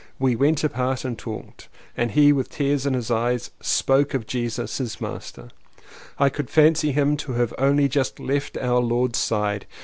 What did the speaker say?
We went apart and talked, and he with tears in his eyes spoke of Jesus — his Master. I could fancy him to have only just left Our Lord's side.